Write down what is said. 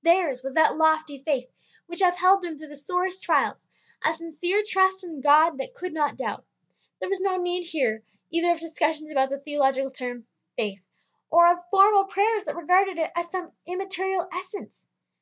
Theirs was that lofty faith which upheld them through the sorest trials, a sincere trust in God that could not doubt. There was no need here either of discussions about the theological term "faith," or of formal prayers that regarded it as some immaterial essence.